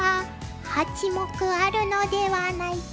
八目あるのではないか？